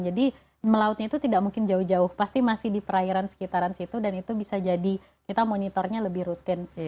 jadi melautnya itu tidak mungkin jauh jauh pasti masih di perairan sekitaran situ dan itu bisa jadi kita monitornya lebih rutin